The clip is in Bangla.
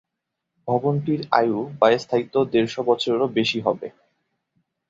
ভবনটির আয়ু বা স্থায়িত্ব দেড়শ বছরেরও বেশি হবে।